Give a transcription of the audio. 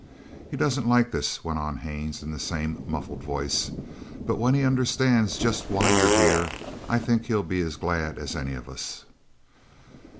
"He doesn't like this," went on Haines in the same muffled voice, "but when he understands just why you're here I think he'll be as glad as any of us."